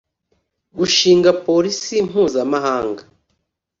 Gushinga polisi mpuzamahanga